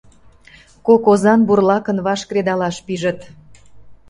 Кок озан бурлакын ваш кредалаш пижыт.